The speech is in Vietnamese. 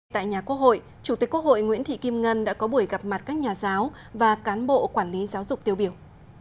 tại nhà quốc hội chủ tịch quốc hội nguyễn thị kim ngân đã có buổi gặp mặt các nhà giáo và cán bộ quản lý giáo dục tiêu biểu